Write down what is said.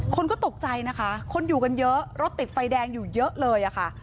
คนก็ตกใจนะคะคนอยู่กันเยอะรถติดไฟแดงอยู่เยอะเลยอะค่ะ